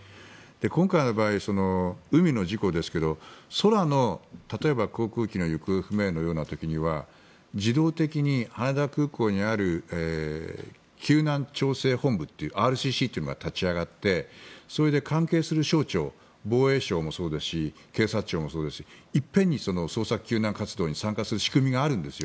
今回の場合は海の事故ですけど空の、例えば航空機の行方不明のような時には自動的に羽田空港にある救難調整本部というＲＣＣというのが立ち上がってそれで関係する省庁防衛省もそうですし警察庁もそうですし一遍に遭難救助活動に参加する仕組みがあるんです。